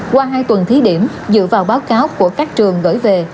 qua hai tuần thí điểm dựa vào báo cáo của các trường gửi về